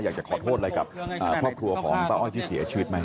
อยากจะขอโทษอะไรกับครอบครัวของป้าอ้อยที่เสียชีวิตไหม